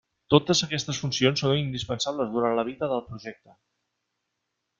Totes aquestes funcions són indispensables durant la vida del projecte.